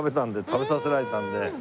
食べさせられたので。